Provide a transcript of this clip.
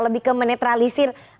lebih ke menetralisin